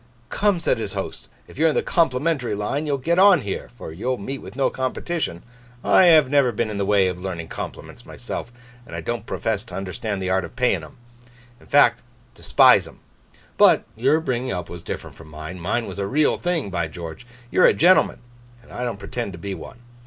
'Come!' said his host. 'If you're in the complimentary line, you'll get on here, for you'll meet with no competition. I have never been in the way of learning compliments myself, and I don't profess to understand the art of paying 'em. In fact, despise 'em. But, your bringing up was different from mine; mine was a real thing, by George! You're a gentleman, and I don't pretend to be one.